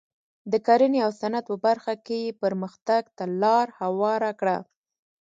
د کرنې او صنعت په برخه کې یې پرمختګ ته لار هواره کړه.